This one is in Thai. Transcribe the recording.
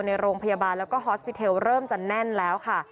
ในโรงพยาบาลแล้วก็ฮอสปิเทลเริ่มจะแน่นแล้วค่ะ